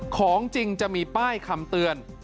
ของจริงจะมีป้ายคำเตือน